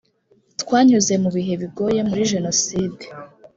twanyuze mu bihe bigoye muri jenoside